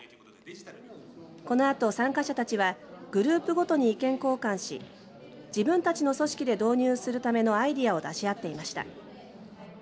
このあと参加者たちはグループごとに意見交換し自分たちの組織で導入するためのアイデアを出し合っていました。